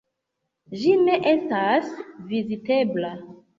Ĝi ne estas vizitebla.